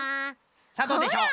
さあどうでしょう？